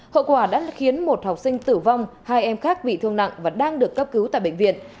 hậu quả đã khiến một học sinh tử vong hai em khác bị thương nặng và đang được cấp cứu tại bệnh viện